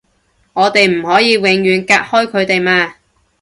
我哋唔可以永遠隔開佢哋嘛